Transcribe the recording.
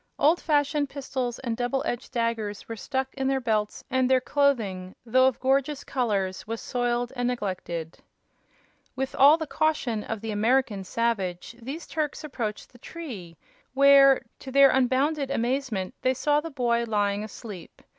Old fashioned pistols and double edged daggers were stuck in their belts and their clothing, though of gorgeous colors, was soiled and neglected. With all the caution of the American savage these Turks approached the tree, where, to their unbounded amazement, they saw the boy lying asleep.